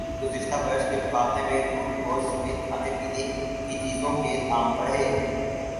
گزشتہ برس کے مقابلے میں دودھ گوشت سمیت کھانے پینے کی چیزوں کے دام بڑھے